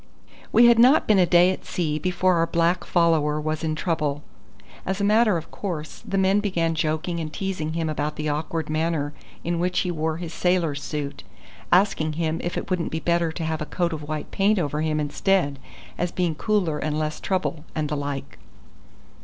We had not been a day at sea before our black follower was in trouble. As a matter of course the men began joking and teasing him about the awkward manner in which he wore his sailor's suit, asking him if it wouldn't be better to have a coat of white paint over him instead, as being cooler and less trouble, and the like.